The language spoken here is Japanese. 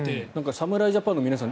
侍ジャパンの皆さん